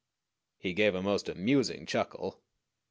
He gave a most amusing chuckle.